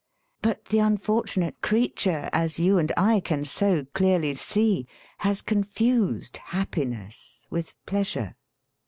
But the unfortunate creature, as you and I can so clearly see, has con fused happiness with pleasure.